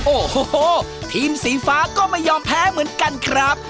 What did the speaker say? โอ้โหทีมสีฟ้าก็ไม่ยอมแพ้เหมือนกันครับ